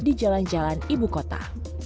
di jalan jalan ibu kota